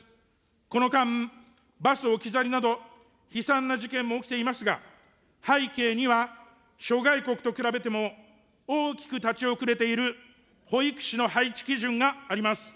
この間、バス置き去りなど、悲惨な事件も起きていますが、背景には諸外国と比べても、大きく立ち遅れている保育士の配置基準があります。